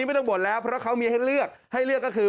เพราะเขามีให้เลือกก็คือ